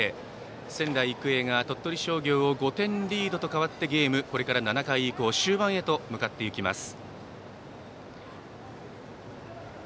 仙台育英が鳥取商業を５点リードと変わってゲーム、これから７回以降終盤へと向かっていきます。